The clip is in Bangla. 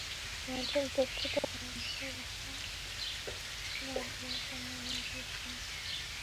রাজীব দীক্ষিত ভারতের এলাহাবাদে জন্মগ্রহণ করেছিলেন।